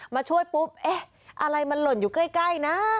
มาช่วยปุ๊บเอ๊ะอะไรมันหล่นอยู่ใกล้นะ